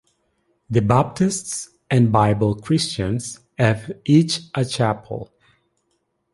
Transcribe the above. The Baptists and Bible Christians have each a chapel.